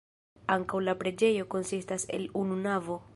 Ankaŭ la preĝejo konsistas el unu navo.